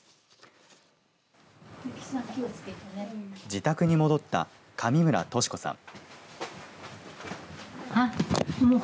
自宅に戻った上村敏子さん。